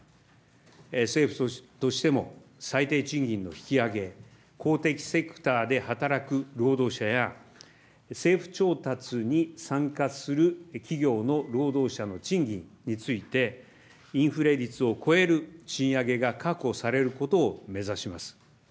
政府としても最低賃金の引き上げ、公的セクターで働く労働者や政府調達に参加する企業の労働者の賃金について、インフレ率を超える賃上げが確保されることを目指します。